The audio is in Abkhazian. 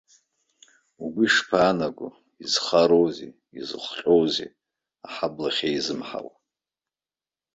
Угәы ишԥаанаго, изхароузеи, изыхҟьозеи аҳабла иахьазымҳауа?